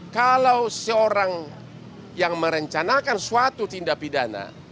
kalau seorang yang merencanakan suatu tindak pidana